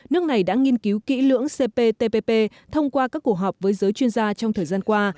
nước này đã nghiên cứu kỹ lưỡng cptpp thông qua các cuộc họp với giới chuyên gia trong thời gian qua